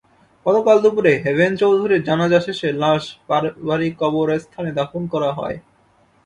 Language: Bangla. গতকাল দুপুরে হেভেন চৌধুরীর জানাজা শেষে লাশ পারিবারিক কবরস্থানে দাফন করা হয়।